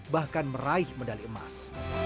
bahkan meraih medali emas